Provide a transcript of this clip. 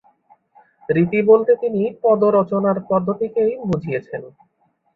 রীতি বলতে তিনি পদরচনার পদ্ধতিকে বুঝিয়েছেন।